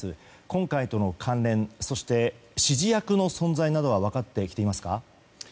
今回との関連そして、指示役の存在などは分かってきていますか？